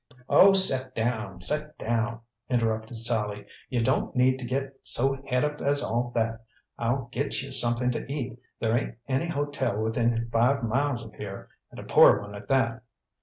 "Oh, set down, set down!" interrupted Sallie. "You don't need to get so het up as all that! I'll get you something to eat. There ain't any hotel within five miles of here and a poor one at that!"